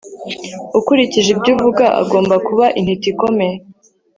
Ukurikije ibyo uvuga agomba kuba intiti ikomeye